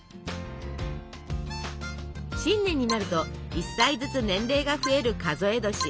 新年になると１歳ずつ年齢が増える数え年。